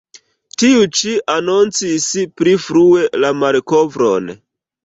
Tiu-ĉi anoncis pli frue la malkovron.